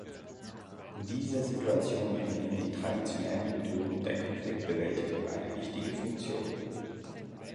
In dieser Situation übernehmen die traditionellen Methoden der Konfliktbewältigung eine wichtige Funktion.